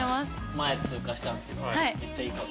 前通過したんですけどめっちゃいい香りしましたね。